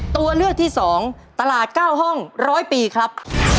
ตัวเลือกที่สองตลาดเก้าห้องร้อยปีครับ